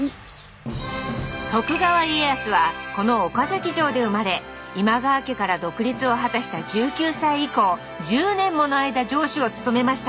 徳川家康はこの岡崎城で生まれ今川家から独立を果たした１９歳以降１０年もの間城主を務めました。